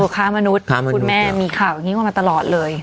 ค้ามนุษย์คุณแม่มีข่าวอย่างนี้มาตลอดเลย